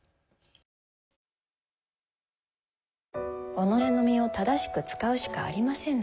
己の身を正しく使うしかありませぬ。